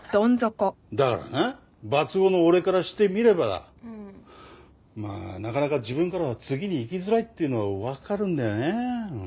だからなバツ５の俺からしてみればまあなかなか自分からは次にいきづらいっていうのはわかるんだよね。